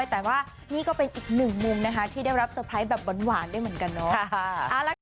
แต่ว่านี่ก็เป็นอีกหนึ่งมุมนะคะที่ได้รับเตอร์ไพรส์แบบหวานได้เหมือนกันเนาะ